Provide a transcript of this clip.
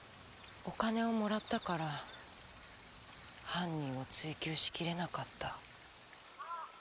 お金をもらったから犯人を追及しきれなかった。